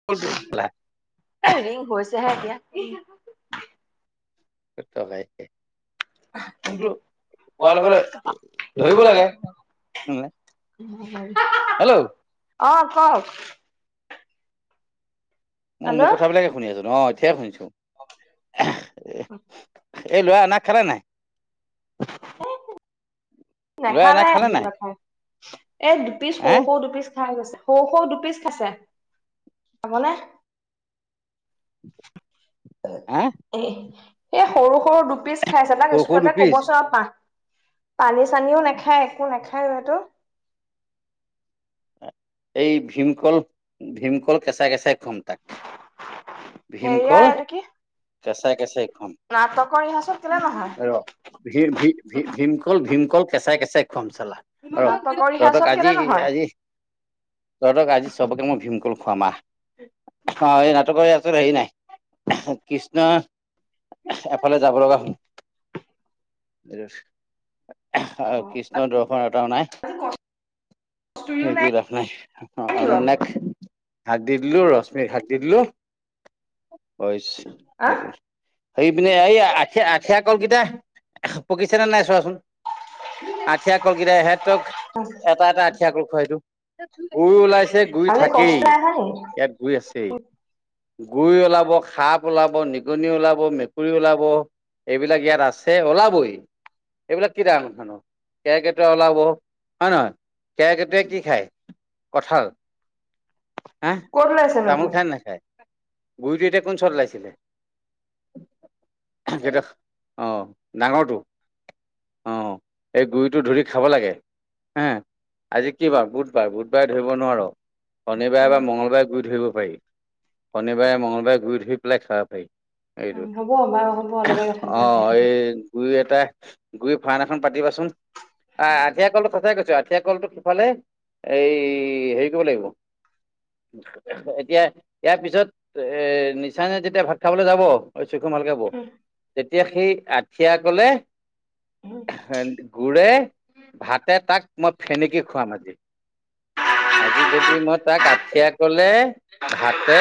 [unintelligible] Ring হৈছেহে এতিয়া। সটো ভাই কিন্তু, কোৱাৰ লগলে ধৰিব লাগে। হেল্ল' অ', কওক। মই, হেল্ল' মোৰ কথাবিলাকে শুনি আছো অ এতিয়াহে শুনিছো। এই, লোৱা নাক খালা নাই। ল'ৰা এনাক নাখালে, খালে নাই এই দু পিচ, হা সৰু, সৰু, দুপিচ খাই গৈছে সৰু সৰু দুপিচ খাইছে যাবনে হা এ, সৰু, সৰু, দুপিচ খাইছো, তাক সৰু সৰু স্কুলতে দুপিচ কবচোন পাহ পানী, চানীও, নাখায়, একো নাখায় লৰাটো এই, ভীমকল ভীমকল কেঁচাই কেঁচাই খোৱাম তাক হেৰিয়া ভীমকল, এইটো কি কেচাই কেচাই খোৱাম। নাটকৰ ৰিহাৰ্চেল কেলে নহয়? ভিৰ, ভিত, ভিৰ, কল, ভীমকল কেচাই, কেচাই, খোৱাম চালা। নাটকৰ ৰিহাৰ্চেল তহঁতক আজি কেলে নহয়? আজি তঁহতক, আজি সবকে মই ভীমকল খোৱাম আহ। অ', এই নাটকৰে আচল হেৰি নাই। কৃষ্ণ এফালে যাব লগা হ'ল। অ', আজি দৰ্শন এটাও নাই। কস্তুৰিও সেই কৰি লাভ নাই। অ নাই ', নি বাৰু অনন্যাক হাত দি দিলো, ৰশ্মিক হাত দি দিলো হা? সেই পিনে, এই আঠিয়া, আঠিয়া, কলকেইটা পকিছেনে নাই চোৱাচোন আঠিয়া, কলকেইটা ইহতক এটা এটা আঠিয়া কল খোৱাই দিয়ো। গুই ওলাইছে, গুই আজি কষ্ট থাকেই, নাই অহা নি? ইয়াত গুই আছেই। গুই ওলাব, সাপ ওলাব, নিগনি ওলাব, মেকুৰী ওলাব। এইবিলাক ইয়াত আছে, ওলাবই এইবিলাক কি ডাঙৰ কথানো কেৰ্কেটুৱা ওলাব, হয় নহয় কেৰ্কেটুৱা টে কি খায়, কঠাল হা ক'ত ওলাইছেনো তামোল গুই? খাই নাখায় গুইটো এতিয়া কোন চৰ ওলাইছিলে? [unintelligible] অ', ডাঙৰটো। অ', এই গুইটো ধৰি খাব লাগে হে। আজি কি বাৰ, বুধবাৰ বুধবাৰে ধৰিব নোৱাৰ, শনিবাৰে উম বা মঙ্লবাৰে গুই ধৰিব পাৰি। শনিবাৰে, মঙ্লবাৰে, গুই ধৰি পেলাই খাব পাৰি। উম এইটোত হ'ব বাৰু হ'ব লগাই কথা বিলাক বেয়া অ', থাকে। এই, গুই, এটা গুইৰ ফাৰ্ম এখন পাতিবাচোন, আ আঠিয়া কলটো কথাই কৈছো আঠিয়া কলটো সফালে এই হেৰি কৰিব লাগিব এতিয়া, ইয়াৰ পিছত এ নিচানে যেতিয়া ভাত খাবলৈ যাব অ', [unintelligible] ভালকে বহ, উম তেতিয়া সেই আঠিয়া কলে উম গুৰে, ভাতে তাক মই ফেনেকি খুৱাম আজি আজি, যদি মই তাক আঠিয়া কলে ভাতে,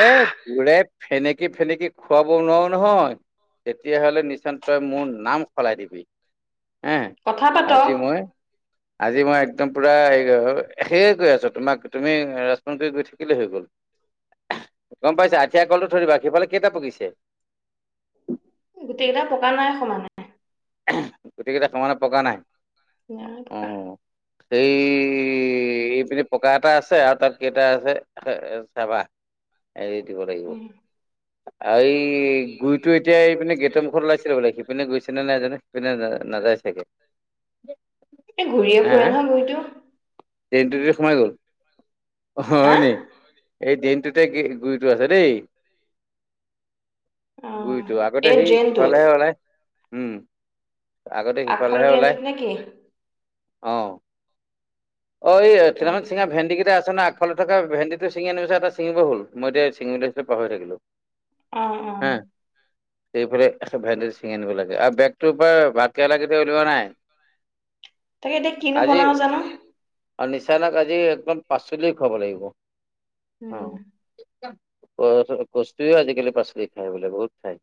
গুৰে, ফেনেকি ফেনেকি খুৱাব নোৱাৰো নহয় তেতিয়াহ'লে, নিচান তই মোৰ নাম সলাই দিবি হ, কথা পাতক আজি মই, আজি মই, একদম পুৰা এই সেয়ে কৈ আছো তোমাক, তুমি ৰাজতে গৈ থাক কেলে হৈ গল, গম পাইছে, আঠিয়া কলটো থৈ দিবা, সিফালে কেইটা পকিছে? গোটেই, কেইটা পকা নাই সমানে। গোটেইকেইটা সমানে পকা নাই নাই পকা অ', সেই এইপিনে পকা এটা আছে আৰু তাত কেইটা আছে চাবা। এৰি দিব লাগিব। উম আৰু এই গুইটো এতিয়া এই মানে গেটৰ মুখত ওলাইছিলে বোলে সিপিনে গৈছেনে নাই জানো। পিনে নাজায় চাগে। এ ঘূৰিয়ে ফুৰে নহয় ঘৰিটো। ট্ৰেইনটো সোমাই গ'ল হা হয় নি? এই দিনটোতে গুৰিতটো আছে দেই। অ গুইটো আগতে এই সেই ড্ৰেইনটোত ইফালেহে ওলাই উম। আগতে আগফালৰ সিফালেহে ওলাই। ড্ৰেইনটোত নে কি অ', অ'এই থিৰাঙত চিঙা ভেন্দি কেইটা আছে নাই? ফালত থকা ভেন্দিটো ছিঙিনি এটা ছিঙিব হ'ল মই এতিয়া পাহৰি থাকিলোঁ। অ অ হা সেইফালে ভেন্দি ছিঙি আনিব লাগে আৰু বেগটোৰ পৰা। ভাতকেৰেলা কেতিয়া ওলোৱা নাই? তাকে এতিয়া কিনো বনাওঁ জানো। আৰু নিচানাক আজি একদম পাচলি খুৱাব লাগিব। উম। কচুও আজিকালি পাচলি খায় বোলে বহুত খাই।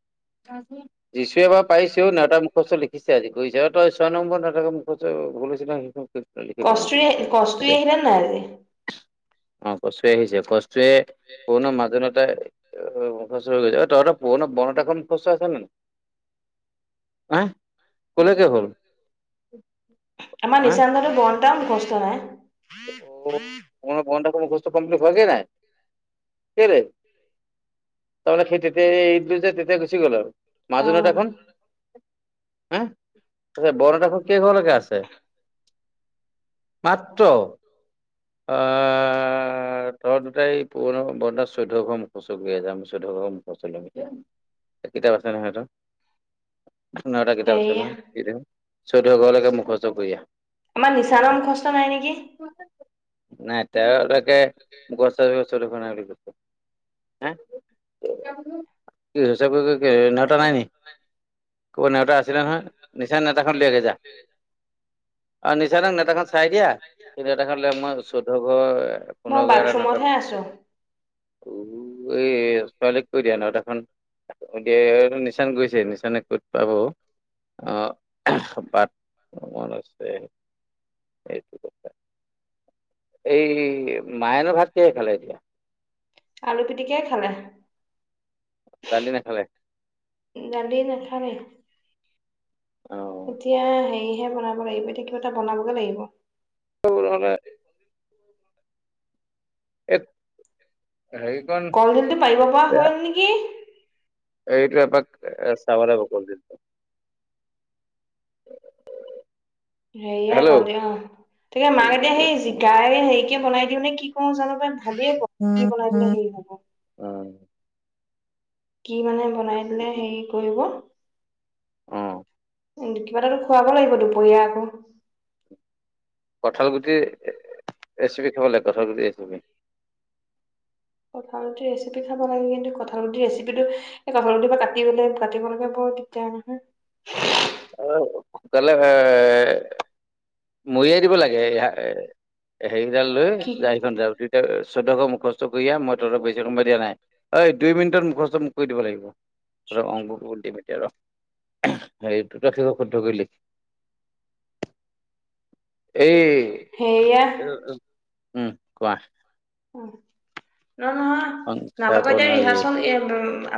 যিছুৱে বা পাইছেও নেতাৰ মুখস্থ লি কৰিছে আৰু তই ছয় নম্বৰ নাট মুখচৈছিলে কষ্টুৰি, কষ্টুৰি আহিলে নে নাই আজি? অ', কস্তুৰী আহিছে কস্তুৰী কোনো মাজন গৈছে তহঁতৰ পুৰণা বনত এখন কচু আছে নে নাই? আহ। কলৈকে হ'ল? আমাৰ আহ নিচা দটো বৰ্তাম কষ্ট নাই। অ', পূৰণ নেওতা খন মুখস্থ কমপ্লিট হোৱা গেই নাই, কেলে। তাৰমানে সেই তেতিয়াই ঈদ যে তেতিয়াই গুচি গল আৰু অ মাজুনেওঁতাখন। হ তাৰ বৰ নেওতাখন কেই ঘৰলৈকে আছে। মাত্ৰ। অ'। তহঁ দুটাই পুৰণ ব চৈধ্য ঘৰ মুখচ গ আছে আ চৈধ্যশৰ মুখস্থ ধৰিম এতিয়া। কিতাপ আছে নহয়তো। এটা কিতাপ হেৰি আছে নহয় চৈধ্যঘৰ লৈকে মুখস্থ কৰি আহ। আমাৰ নিচানৰ মুখস্থ নাই নেকি? নাই তেওঁ তাকে গছৰ গছৰ দেখ নাই বুলিছে। হ কি হৈছে চ নেওঁতা নাই নি? ক'নেওতা আছিলে নহয় নিচান নেতাখন লৈ আগৈ যা। অ', নিচানৰ নেতাখন চাই দিয়া। নেওতা খন মই চৈধ্যটা ঘৰ মই পোন্ধৰ ঘৰ এটা বাথৰুমতহে আছো নেওতা। উ, এই ছোৱালীক কৈ দিয়া নেওতা খন। দে নিচান গৈছে নিচানে ক'ত পাব। আহ বাট ভমন আছে সেইটো কথা। এই মায়েনু ভাত কিহে খালে এতিয়া? আলু পিটিকিয়াই খালে। ডালি নাখালে? দালি নেখালে। অ'। এতিয়া হেৰিহে বনাব লাগিব কিবা তটা বনাবগে লাগিব। উম। এই সেৰি কল দিলটো পাৰিব পৰা হ'ল নেকি? এইটো এপাক চাব লাগিব কলদিল সেয়া হেল্ল' অ' কলদিল তাকে মাক এতিয়া সেই জিকাই হেৰিকে বনাই দিওঁ নে কি কৰো জানো পাই ভাবিয়ে বনাবলে হেৰি হব উম, কি মানে বনাই দিলে হেৰি কৰিব? অ কিবা এটা খুৱাব লাগিব দুপৰীয়া আকৌ। কঁঠাল গুটি ৰেচিপি খাব লাগে, কঁঠাল গুটি ৰেচিপি কঁঠাল গুটি ৰেচিপি খাব লাগে কিন্তু কঁঠাল গুটি ৰেচিপিটো এ [unintelligible] বা কাটি বলে কাটিব লাগে বৰ দিগদাৰ নহয়। অ', গলে হে মৰিয়াই দিব লাগে এ হেৰিকেইডাল কি লৈ [unintelligible] চৈধ্যশ মুখস্থ কৰি আহ, মই তহঁতক বেছি সময় দিয়া নাই। অই, দুই মিনিটত মুখস্থ মোক কৰি দিব লাগিব। তহঁতক অং কৰিব দিম এতিয়া ৰ' হে দুটা শিষক শুদ্ধ কৰি লিখ। এই হেৰিয়া উম, কোৱা ন' নহয় সংখ্যা নাটক এতিয়া প্ৰণালী ৰিহাৰ্চল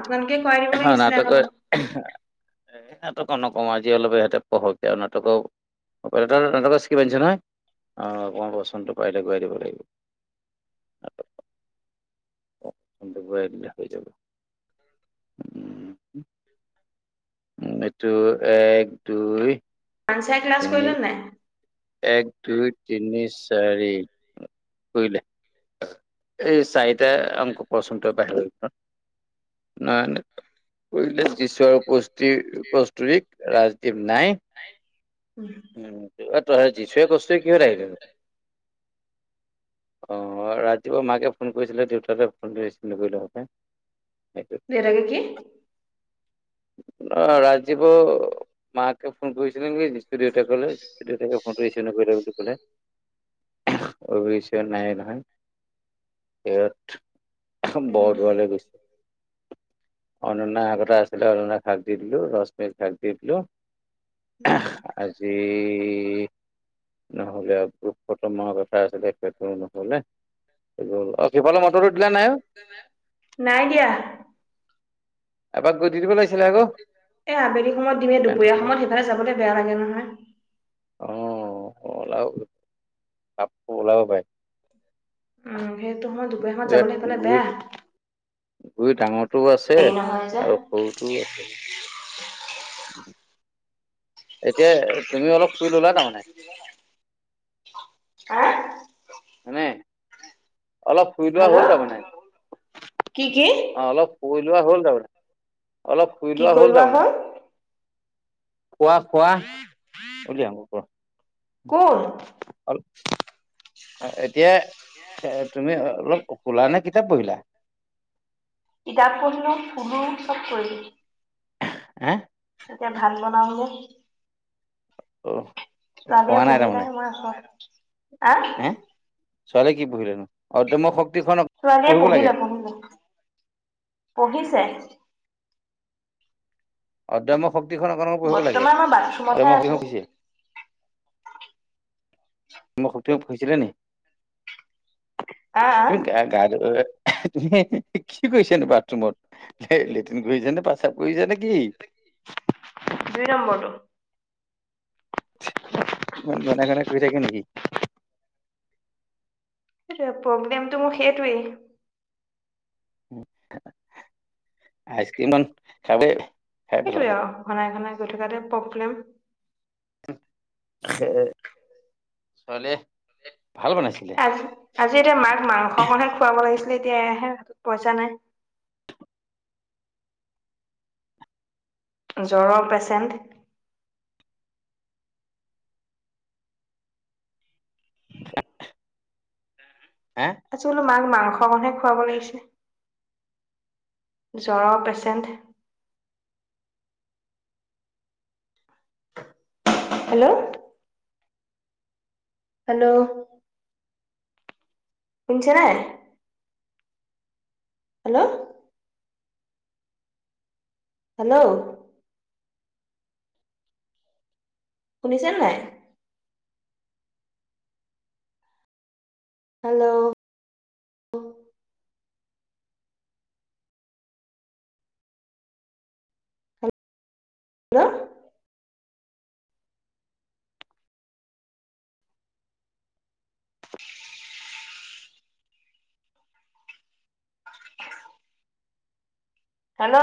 আপোনালোকে কৰা অ', নাটকৰ এই নাটক নকম আজি অলপ য়াতে পঢ়ক দিয়া নাটকৰ [unintelligible] নহয় অ', আকমান বহচোন তোক পাৰিলে কৰাই দিব লাগিব। [unintelligible] হৈ যাব উম, উম, এইটো এক দুই পানচাই ক্লাছ তিনি কৰিলে নে নাই? এক দুই তিনি চাৰি কৰিলে, এই চাৰিটা অংক কৰচোন [unintelligible] কৰিলে দিশা কাষ্টুৰিক ৰাজদীপ নাই উম, উম, তই সেই যিচুৱে কাষ্টুৰিয়ে কিহত আহিলে নো? অ', ৰাতিপুৱা মাকে ফোন কৰিছিলে দেউতাকে ফোনটো ৰিচিভ নকৰিলে হপাই দেউতাকে কি সেইটোত অ', ৰাজীৱৰ মাকে ফোন কৰিছিলে নেকি? দেউতাকলৈ, দেউতাকে ফোনটো ৰিচিভ নকৰিলে বুলি কলে অভিচে নাই নহয় ইয়াত উম বৰদোৱালে গৈছে। অনানা আগতে আছিলে অনানাক শাক দি দিলো ৰশ্মিক শাক দি দিলো উম, আজি নহলে আকৌ প্ৰথম মাহৰ কথা আছিলে সেইটো নহলে সিফালে মটৰটো দিলা নাই অ? নাই দিয়া। এবাক গৈ দি দিব লাগিছিলে। আকৌ এ আবেলি সময়ত দিম কাৰেণ্ট দুপৰীয়া থাকিলে সময়ত সেইফালে যাবলৈ বেয়া লাগে নহয়। অ', [unintelligible] উম, সেইটো সময়ত দুপৰীয়া সময়ত যাবলৈ সেইফালে বেয়া। গৰু ডাঙৰটো আছে হেৰি নহয় যে আৰু সৰুটো আছে। এতিয়া তুমি অলপ শুই ল'লা তাৰমানে [inaudible] হাঁ? মানে অলপ শুই লোৱা হেল্ল' হ'ল, তাৰমানমানে কি কি অ' অলপ শুই লোৱা হ'ল তাৰমানে, অলপ শুই লোৱা হ'ল তাৰমানে। খোৱা খোৱা? হ'ব। ক'ত? অলপ এতিয়া তুমি অলপ শুলা নে কিতাপ পঢ়িলা? কিতাপ পঢ়িলোঁ শুলোঁ চব কৰিলোঁ। হে? তেতিয়া ভাত বনাই গ'ল। অ ৰাধিয়া শুৱা নাই তাৰমানে পঢ়িলেহে মই আছোঁ। হে হে, ছোৱালী কি পঢ়িলেনো? অদ্যম শক্তিখনক ছোৱালীয়ে পঢ়িলে পঢ়িলে, পঢ়িছে। অদ্যম্য শক্তিখন অকোক পঢ়িব লাগে, বৰ্তমান মই অদ্য বাথৰুমতহে আছো শক্তি চে ম মই সতে পিছিলে নে আ আ তুমি গা গা তুমি কি কৰিছানে বাথৰুমত, লেট্ৰিন কৰিছা নে প্ৰস্ৰাৱ কৰিছা নে কি দুই নম্বৰটো। ইমান গণে গণে কৰি থাকে নেকি? প্ৰব্লেমটো মোৰ সেইটোৱেই। আইচক্ৰীম খালে সেইটোৱে আৰু ঘনাই ঘনাই গৈ থকাতে প্ৰব্লেম। ছোৱালী ভাল বনাইছিলে। আজি এতিয়া মাক মাংসকনহে খুৱাব লাগিছিলে, এতিয়া এহে পইচা নাই। জ্বৰৰ পেচেণ্ট। [unintelligible] হে? আজি বোলো মাক মাংস বনাই খুৱাব লাগিছে। জ্বৰৰ পেচেণ্ট। হেল্ল'। হেল্ল'। শুনিছেনে? হেল্ল'। হেল্ল'। শুনিছেনে নাই? Hello. Hello hello.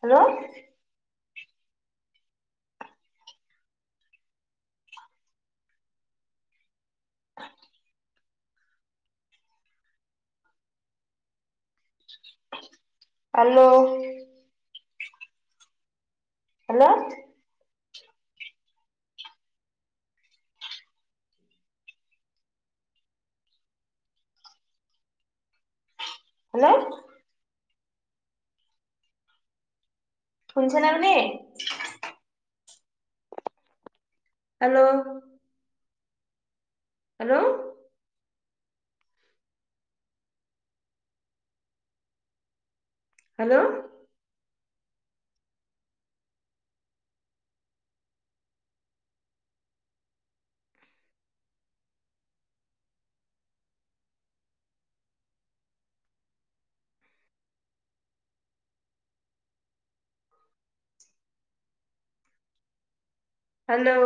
Hello. Hello. Hello. Hello. শুনিছেনে আপুনি? হেল্ল'। হেল্ল'। হেল্ল'। হেল্ল'।